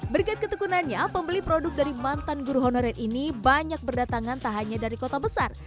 berkat ketekunannya pembeli produk dari mantan guru honorer ini banyak berdatangan tak hanya dari kota besar